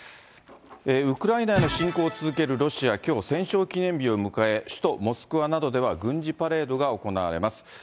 ウクライナへの侵攻を続けるロシア、きょう、戦勝記念日を迎え、首都モスクワなどでは軍事パレードが行われます。